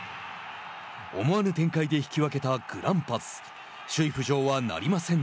思わぬ展開で引き分けたグランパス。